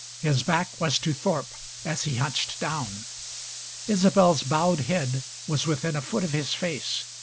His back was to Thorpe as he hunched down. Isobel's bowed head was within a foot of his face.